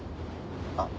あっ！